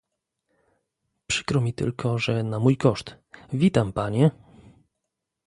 "Przykro mi tylko, że na mój koszt... Witam panie!"